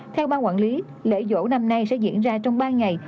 theo ban quản lý lễ dỗ năm nay sẽ diễn ra trong ba ngày